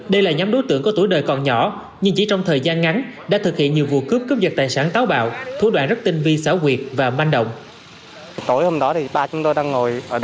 đây là nhóm đối tượng có tuổi đời còn nhỏ nhưng chỉ trong thời gian ngắn đã thực hiện nhiều vụ cướp cướp giật tài sản táo bạo thủ đoạn rất tinh vi xảo quyệt và manh động